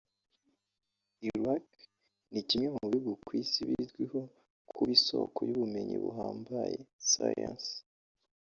Iraq ni kimwe mu bihugu ku isi bizwiho kuba isoko y’ubumenyi buhambaye (science)